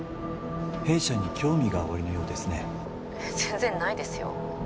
弊社に興味がおありのようですね☎全然ないですよ